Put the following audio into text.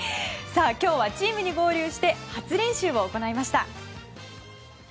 今日はチームに合流して初練習を行いました。